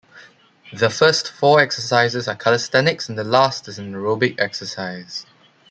The first four exercises are calisthenics and the last is an aerobic exercise.